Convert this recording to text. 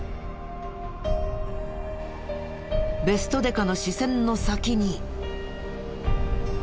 ベストデカの視線の先に。